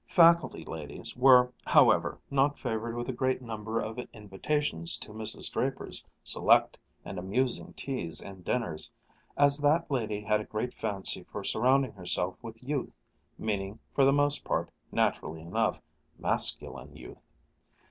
Faculty ladies were, however, not favored with a great number of invitations to Mrs. Draper's select and amusing teas and dinners, as that lady had a great fancy for surrounding herself with youth, meaning, for the most part, naturally enough, masculine youth.